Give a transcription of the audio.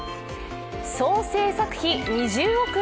総制作費２０億円。